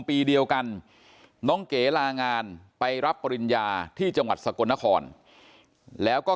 ปีเดียวกันน้องเก๋ลางานไปรับปริญญาที่จังหวัดสกลนครแล้วก็